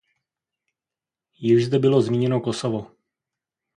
Již zde bylo zmíněno Kosovo.